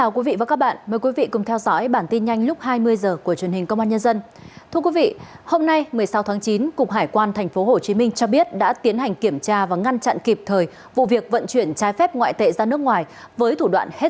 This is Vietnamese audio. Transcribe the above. các bạn hãy đăng ký kênh để ủng hộ kênh của chúng mình nhé